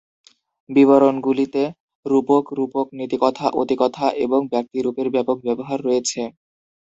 বিবরণগুলিতে রূপক, রূপক, নীতিকথা, অতিকথা এবং ব্যক্তিরূপের ব্যাপক ব্যবহার রয়েছে।